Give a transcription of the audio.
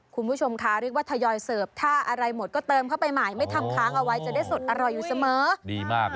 คุณผู้ชมคะเรียกว่าทยอยเสิร์ฟถ้าอะไรหมดก็เติมเข้าไปใหม่ไม่ทำค้างเอาไว้จะได้สดอร่อยอยู่เสมอดีมาก